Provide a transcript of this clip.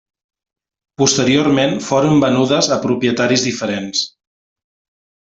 Posteriorment foren venudes a propietaris diferents.